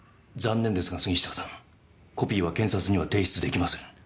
残念ですが杉下さんコピーは検察には提出できません。